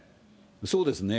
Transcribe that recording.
そうですね。